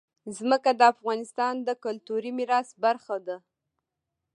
ځمکه د افغانستان د کلتوري میراث برخه ده.